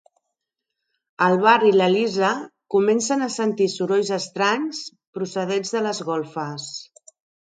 El Bart i la Lisa comencen a sentir sorolls estranys procedents de les golfes.